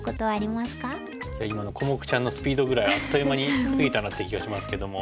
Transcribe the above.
今のコモクちゃんのスピードぐらいあっという間に過ぎたなって気がしますけども。